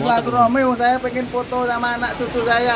silaturahmi saya pengen foto sama anak cucu saya